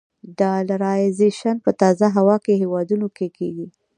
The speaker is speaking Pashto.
ډالرایزیشن په تازه خپلواکو هېوادونو کې کېږي.